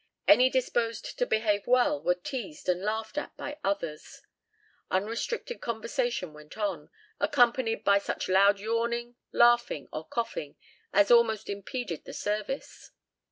Any disposed to behave well were teased and laughed at by others. Unrestricted conversation went on, accompanied by such loud yawning, laughing, or coughing as almost impeded the service.